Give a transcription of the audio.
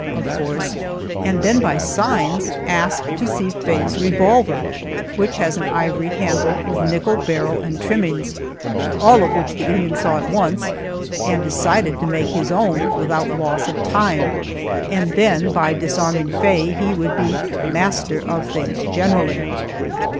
of course, and then by signs asked to see Faye's revolver, which has an ivory handle with nickel barrel and trimmings, all of which the Indian saw at once, and decided to make his own without loss of time, and then by disarming Faye he would be master of things generally.